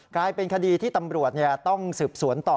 กลายเป็นคดีที่ตัวตัวประชาต้องสืบสวนต่อ